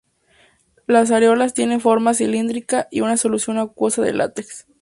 Las areolas tienen forma cilíndrica y una solución acuosa de látex.